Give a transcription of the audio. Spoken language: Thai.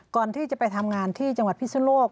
ก่อนที่จะไปทำงานที่จังหวัดพิศนโลก